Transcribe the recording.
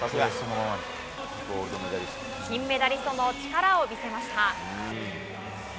金メダリストの力を見せました。